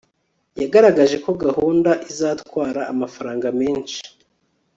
yagaragaje ko gahunda izatwara amafaranga menshi